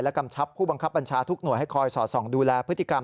กำชับผู้บังคับบัญชาทุกหน่วยให้คอยสอดส่องดูแลพฤติกรรม